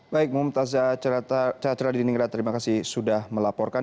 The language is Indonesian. baik muhammad tazat terima kasih sudah melaporkan